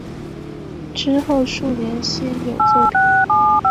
之后数年鲜有作品。